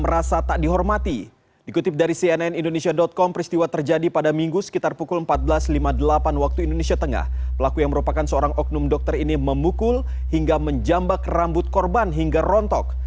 rambut wanita tersebut rontok